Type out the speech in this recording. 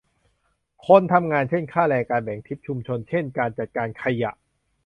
คนทำงานเช่น ค่าแรง การแบ่งทิป ชุมชนเช่น การจัดการขยะ